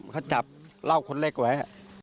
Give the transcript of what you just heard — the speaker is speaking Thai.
เขาจับเหล้าคนเล็กไว้